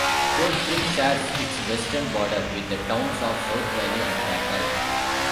Coldspring shares its western border with the towns of South Valley and Randolph.